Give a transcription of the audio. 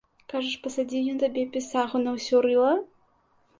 Кажаш, пасадзіў ён табе пісагу на ўсё рыла?!